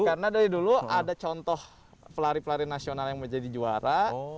karena dari dulu ada contoh pelari pelari nasional yang mau jadi juara